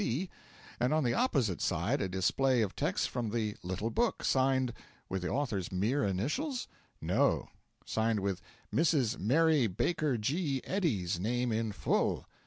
C.;' and on the opposite side a display of texts from the 'little book' signed with the author's mere initials? No signed with Mrs. Mary Baker G. Eddy's name in full.